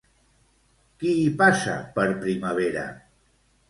Qui hi passa per primavera?